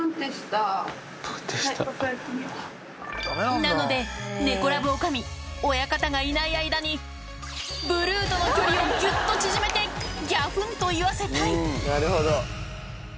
なので、猫ラブおかみ、親方がいない間に、ブルーとの距離をぎゅっと縮めて、ぎゃふんと言わせたい。